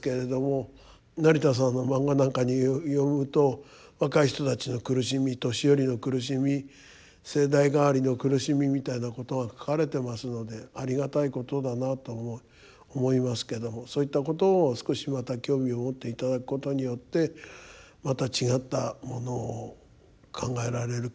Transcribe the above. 成田さんのマンガなんかによると若い人たちの苦しみ年寄りの苦しみ世代替わりの苦しみみたいなことが描かれてますのでありがたいことだなと思いますけどそういったことを少しまた興味を持っていただくことによってまた違ったものを考えられるかなと思います。